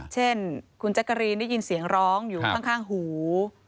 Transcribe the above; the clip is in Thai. เช่นคุณแจ๊กกะรีนได้ยินเสียงร้องอยู่ข้างหู